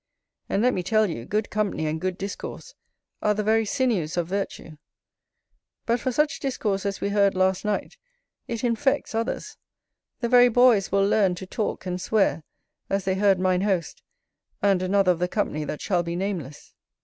And let me tell you, good company and good discourse are the very sinews of virtue. But for such discourse as we heard last night, it infects others: the very boys will learn to talk and swear, as they heard mine host, and another of the company that shall be nameless.